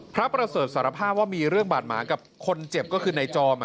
ประเสริฐสารภาพว่ามีเรื่องบาดหมางกับคนเจ็บก็คือนายจอม